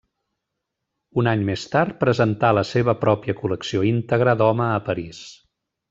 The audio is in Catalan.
Un any més tard presentà la seva pròpia col·lecció íntegra d’home a París.